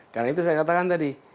karena itu saya katakan tadi